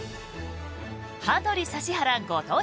「羽鳥×指原ご当地！